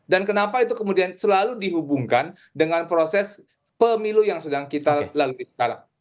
dan kenapa itu kemudian selalu dihubungkan dengan proses pemilu yang sedang kita lalui sekarang